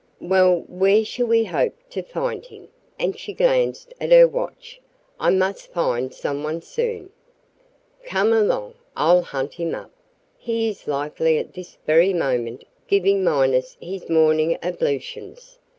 "Well, where shall we hope to find him?" and she glanced at her watch. "I must find some one soon." "Come along. I'll hunt him up. He is likely at this very moment giving Minus his morning ablutions.